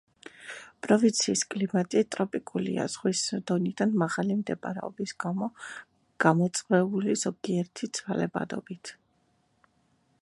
პროვინციის კლიმატი ტროპიკულია, ზღვის დონიდან მაღალი მდებარეობის გამო გამოწვეული ზოგიერთი ცვალებადობით.